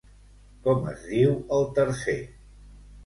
Com es diu el tercer?